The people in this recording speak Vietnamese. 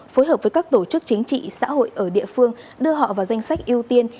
phối hợp với các tổ chức chính trị xã hội ở địa phương đưa họ vào danh sách ưu tiên